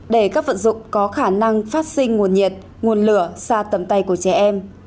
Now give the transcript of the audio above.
để các vận dụng có khả năng phát sinh nguồn nhiệt nguồn lửa xa tầm tay của trẻ em